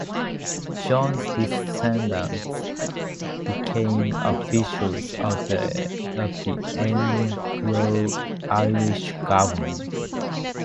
John's descendants became officials of the Anglo-Irish government.